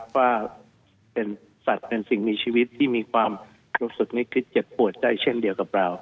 ว่าเป็นสัตว์เป็นสิ่งมีชีวิตที่มีความรู้สึกนึกคิดเจ็บปวดได้เช่นเดียวกับเรา